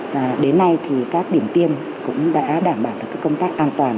và đến nay thì các điểm tiêm cũng đã đảm bảo được công tác an toàn